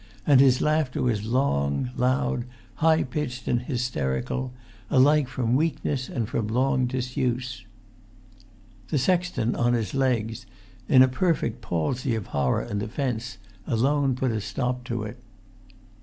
And his laughter was long, loud, high pitched and hysterical, alike from weakness and from long disuse. The sexton on his legs, in a perfect palsy of horror and offence, alone put a stop to it.